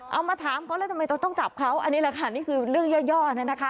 มาถามเขาแล้วทำไมต้องจับเขาอันนี้แหละค่ะนี่คือเรื่องย่อนะคะ